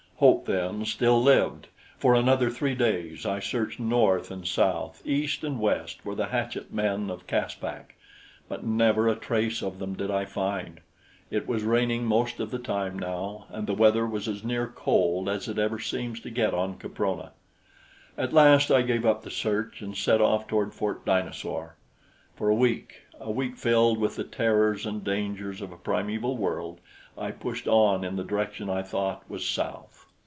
Hope, then, still lived. For another three days I searched north and south, east and west for the hatchetmen of Caspak; but never a trace of them did I find. It was raining most of the time now, and the weather was as near cold as it ever seems to get on Caprona. At last I gave up the search and set off toward Fort Dinosaur. For a week a week filled with the terrors and dangers of a primeval world I pushed on in the direction I thought was south.